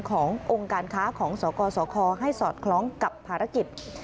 ขององค์การค้าของสกสคให้สอดคล้องกับภารกิจ